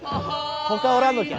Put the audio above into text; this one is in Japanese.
ほかおらんのきゃ？